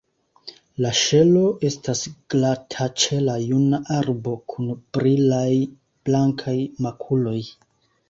La ŝelo estas glata ĉe la juna arbo, kun brilaj, blankaj makuloj.